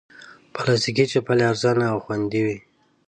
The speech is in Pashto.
پلاستيکي چپلی ارزانه او خوندې وي.